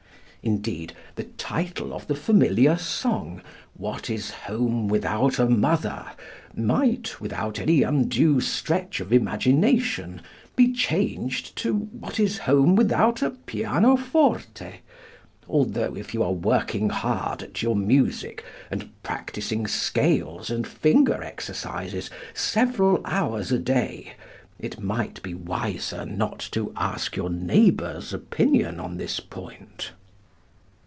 Indeed, the title of the familiar song "What Is Home Without a Mother?" might, without any undue stretch of imagination, be changed to "What Is Home Without a Pianoforte?" although, if you are working hard at your music and practicing scales and finger exercises several hours a day, it might be wiser not to ask your neighbor's opinion on this point.